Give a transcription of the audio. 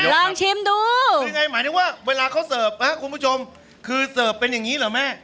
ลองชิมดูเป็นไงหมายถึงว่าเวลาเขาเขาคุณผู้ชมคือเป็นอย่างงี้เหรอแม่